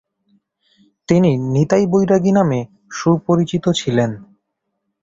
তিনি নিতাই বৈরাগী নামে সুপরিচিত ছিলেন।